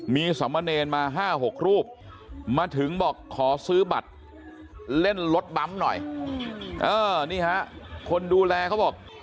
มีสมเนรมา๕๖รูปมาถึงบอกขอซื้อบัตรเล่นรถบั๊มหน่อยนี่ฮะคนดูแลเขาบอก